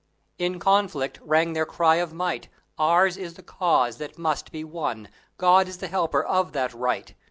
In conflict rang their cry of might, "Ours is the cause that must be won; God is the helper of the right!"